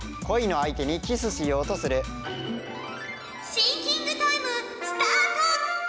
シンキングタイムスタート！